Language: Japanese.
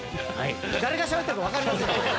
誰がしゃべってるか分かります？